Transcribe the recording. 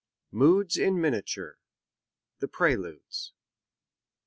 MOODS IN MINIATURE: THE PRELUDES.